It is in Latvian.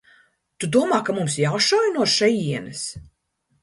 Tu domā, ka mums jāšauj no šejienes?